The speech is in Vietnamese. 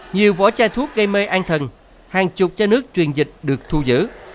nhiều vỏ chai thuốc gây mê an thần hàng chục chai nước truyền dịch được thu giữ